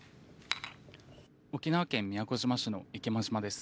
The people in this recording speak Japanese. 沖縄県・宮古島市の池間島です。